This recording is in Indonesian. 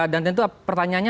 dan tentu pertanyaannya